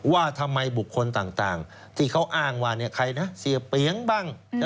ว่าทำไมบุคคลต่างที่เขาอ้างว่าใครนะเสียเปียงบ้าง